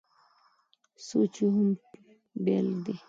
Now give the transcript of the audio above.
سوچ یې هم بېل دی.